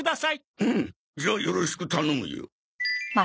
フンッじゃあよろしく頼むよ。